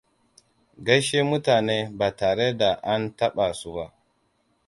Gaishe mutane ba tare da an taɓa su ba.